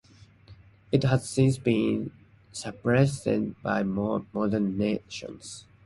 It has since been superseded by more modern notions.